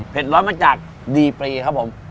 ร้อนมาจากดีปรีครับผม